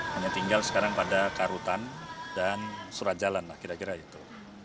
hanya tinggal sekarang pada karutan dan surat jalan lah kira kira itu